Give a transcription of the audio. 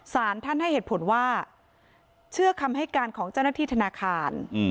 สารท่านให้เหตุผลว่าเชื่อคำให้การของเจ้าหน้าที่ธนาคาร